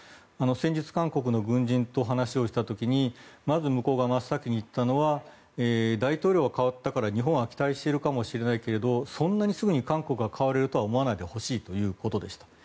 先日、韓国の軍人と話をした時に向こうが真っ先に言ったことは大統領は代わったから日本は期待しているかもしれないけどそんなにすぐに韓国が変わるとは思わないでほしいということでした。